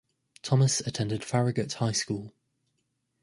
Thomas attended Farragut High School.